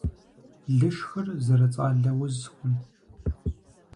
Лышхыр зэрыцӀалэ узкъым.